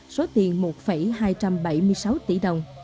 số tiền một hai trăm bảy mươi sáu tỷ đồng